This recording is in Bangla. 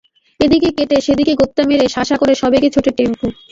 এদিকে কেটে সেদিকে গোঁত্তা মেরে শাঁ শাঁ করে সবেগে ছোটে টেম্পো।